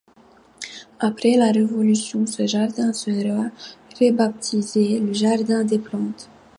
Après la Révolution, ce jardin sera rebaptisé, le Jardin des plantes.